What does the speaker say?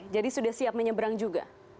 jadi sudah siap menyeberang juga